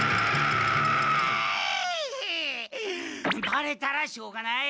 ばれたらしょうがない！